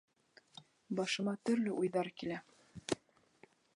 Башыма төрлө уйҙар килә.